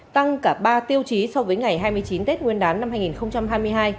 tăng cả ba tiêu chí so với ngày hai mươi chín tết nguyên đán năm hai nghìn hai mươi hai